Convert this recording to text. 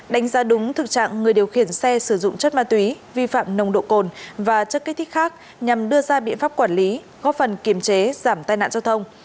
đánh giá đúng thực trạng người điều khiển xe sử dụng chất ma túy vi phạm nồng độ cồn và chất kích thích khác nhằm đưa ra biện pháp quản lý góp phần kiềm chế giảm tai nạn giao thông